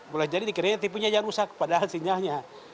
boleh jadi dikirain tv nya yang rusak padahal sinyalnya